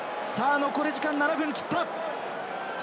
残り時間は７分を切った。